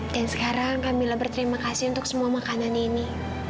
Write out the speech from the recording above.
dan sekarang kak mila berterima kasih untuk semua makanan ini